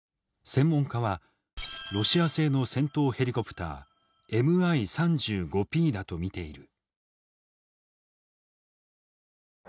専門家はロシア製の戦闘ヘリコプターＭｉ−３５Ｐだと見ている。